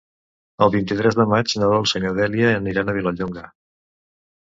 El vint-i-tres de maig na Dolça i na Dèlia aniran a Vilallonga.